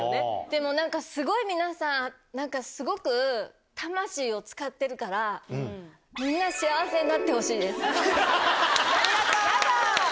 でもなんか、すごい皆さん、なんかすごく、魂を使ってるから、みんな幸せになってほしいです。